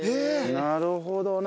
なるほどね。